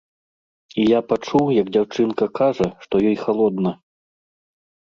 І я пачуў, як дзяўчынка кажа, што ёй халодна.